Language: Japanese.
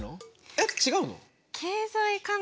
えっ違うの？